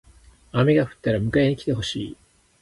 雨が降ったら迎えに来てほしい。